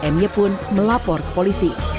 my pun melapor ke polisi